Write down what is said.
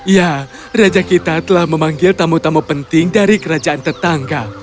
ya raja kita telah memanggil tamu tamu penting dari kerajaan tetangga